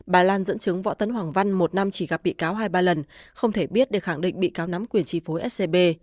bà lan dẫn chứng võ tấn hoàng văn một năm chỉ gặp bị cáo hai ba lần không thể biết để khẳng định bị cáo nắm quyền chi phối scb